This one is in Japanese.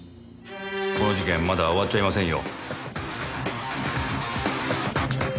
この事件まだ終わっちゃいませんよ。